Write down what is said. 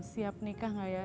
siap nikah nggak ya